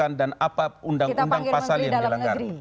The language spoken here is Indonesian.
untuk mengatakan tentang undang undang pasal yang dilanggar